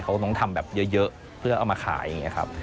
เขาต้องทำแบบเยอะเพื่อเอามาขายอย่างนี้ครับ